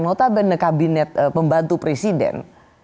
notabene kabinet pembantu presiden